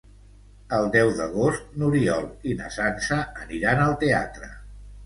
El deu d'agost n'Oriol i na Sança aniran al teatre.